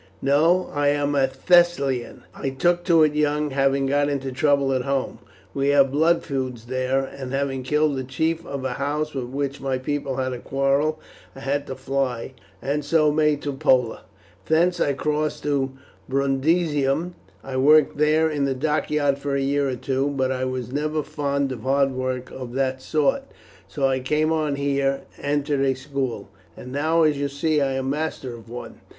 "No, I am a Thessalian. I took to it young, having got into trouble at home. We have blood feuds there, and having killed the chief of a house with which my people had a quarrel I had to fly, and so made to Pola. Thence I crossed to Brundusium. I worked there in the dockyard for a year or two; but I was never fond of hard work of that sort, so I came on here and entered a school. Now, as you see, I am master of one.